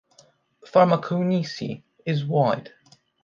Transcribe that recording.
Farmakonisi is wide.